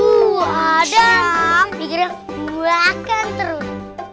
uh adam mikirnya kue akan terus